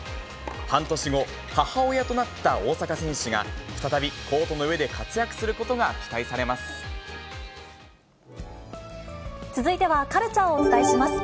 半年後、母親となった大坂選手が、再びコートの上で活躍することが続いてはカルチャーをお伝えします。